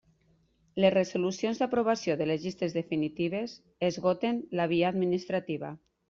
Les resolucions d'aprovació de les llistes definitives esgoten la via administrativa.